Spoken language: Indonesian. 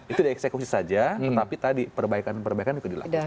itu dieksekusi saja tetapi tadi perbaikan perbaikan itu dilakukan